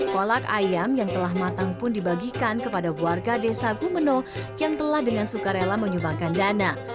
kolak ayam yang telah matang pun dibagikan kepada warga desa gumeno yang telah dengan suka rela menyumbangkan dana